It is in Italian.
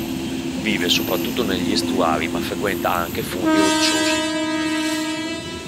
Vive soprattutto negli estuari ma frequenta anche fondi rocciosi.